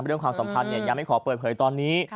เรื่องความสำคัญยังไม่ขอเปิดเผยตอนนี้